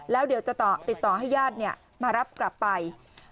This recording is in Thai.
แล้วเดี๋ยวจะติดต่อให้ญาติมารับกลับไป